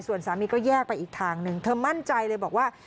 ส่วนสามีก็แยกไปอีกทางหนึ่งเธอมั่นใจเลยบอกว่า